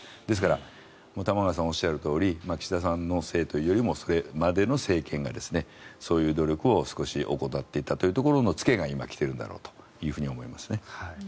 ですから玉川さんがおっしゃるとおり岸田さんのせいというよりそれまでの政権がそういう努力を少し怠っていたというところの付けが今、来ているんだろうと思いますね。